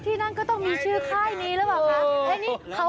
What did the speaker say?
ที่นั่งก็ต้องมีชื่อค่ายนี้แล้วเปล่าครับ